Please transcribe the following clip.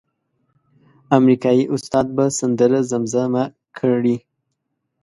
امریکایي استاد به سندره زمزمه کړي.